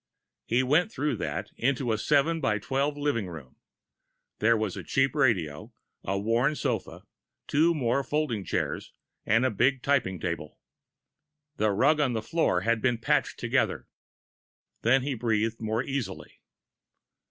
He went through that, into the seven by twelve living room. There was a cheap radio, a worn sofa, two more folding chairs and a big typing table. The rug on the floor had been patched together. Then he breathed more easily.